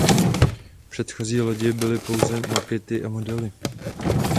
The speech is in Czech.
Předchozí lodi byly pouze makety a modely.